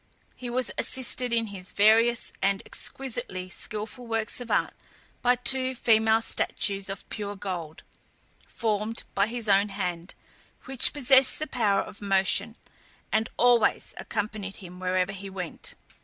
He was assisted in his various and exquisitely skilful works of art, by two female statues of pure gold, formed by his own hand, which possessed the power of motion, and always accompanied him wherever he went.